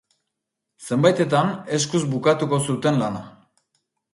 Zenbaitetan, eskuz bukatuko zuten lana.